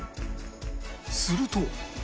すると